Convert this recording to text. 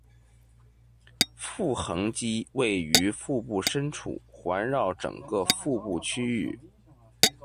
腹横肌位于腹部深处，环绕整个腹部区域。